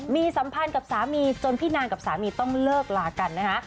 มีสัมพันธ์กับสามีจนพี่นางกับสามีต้องเลิกลากันนะคะ